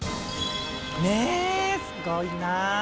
ねえ、すごいな。